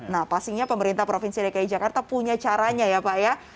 nah pastinya pemerintah provinsi dki jakarta punya caranya ya pak ya